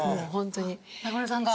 中村さんが？